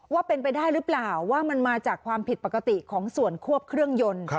ว่าเป็นไปได้หรือเปล่าว่ามันมาจากความผิดปกติของส่วนควบเครื่องยนต์